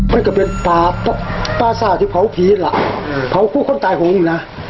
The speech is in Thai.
ไม่ก็เป็นป่าป่าซ่าที่เผาผีหรอเออเผาผู้คนตายของมึงน่ะ